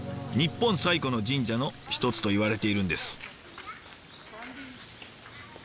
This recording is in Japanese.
日本最古の神社の一つといわれているんです。